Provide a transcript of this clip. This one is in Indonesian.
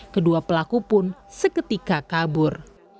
kedua pelaku pun seketika kabur